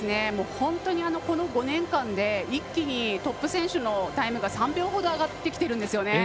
本当に、この５年間で一気にトップ選手のタイムが３秒ほど上がってきてるんですよね。